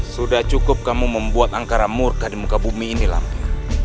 sudah cukup kamu membuat angkara murka di muka bumi ini lampu